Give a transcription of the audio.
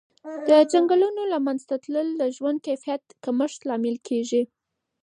د ځنګلونو له منځه تلل د ژوند د کیفیت کمښت لامل کېږي.